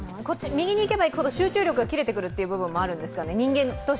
右に行けば行くほど集中力が切れてくるというのもあるんですかね。